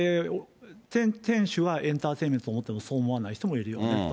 店主はエンターテインメントと思うが、そう思わない人もいるよねと。